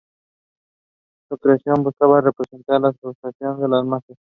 Su creación busca representar la frustración de las masas.